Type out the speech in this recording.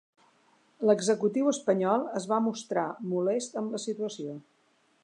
L'Executiu espanyol es va mostrar molest amb la situació.